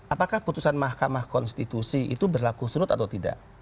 apakah putusan mahkamah konstitusi itu berlaku surut atau tidak